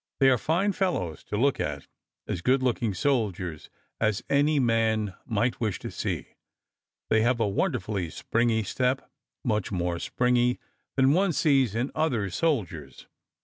"They are fine fellows to look at as good looking soldiers as any man might wish to see. They have a wonderfully springy step, much more springy than one sees in other soldiers.